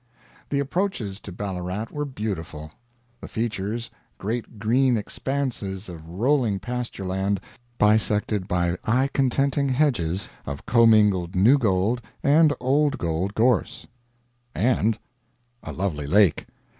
The approaches to Ballarat were beautiful. The features, great green expanses of rolling pasture land, bisected by eye contenting hedges of commingled new gold and old gold gorse and a lovely lake.